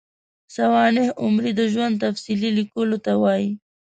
سوانح عمري د ژوند تفصیلي لیکلو ته وايي.